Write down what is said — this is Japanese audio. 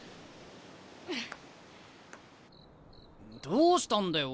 どうしたんだよ